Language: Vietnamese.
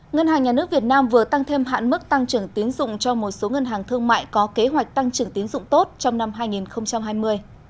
ngân hàng nhà nước việt nam vừa tăng thêm hạn mức tăng trưởng tiến dụng cho một số ngân hàng thương mại có kế hoạch tăng trưởng tín dụng tốt trong năm hai nghìn hai mươi